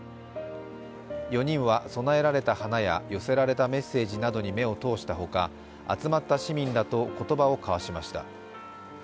４人は供えられた花や、寄せられたメッセージなどに目を通したほか、集まった市民らと言葉を交わしました。